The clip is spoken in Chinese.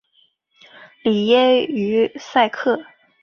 里耶于塞克。